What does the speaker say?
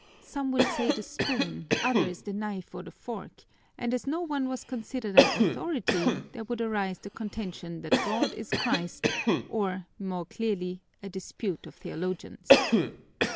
Some would say the spoon, others the knife or the fork, and as no one was considered an authority there would arise the contention that God is Christ or, more clearly, a dispute of theologians.